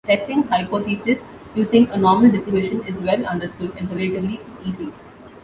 Testing hypotheses using a normal distribution is well understood and relatively easy.